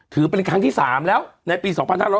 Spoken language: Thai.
ถือเป็นครั้งที่๓แล้วในปี๒๕๖๐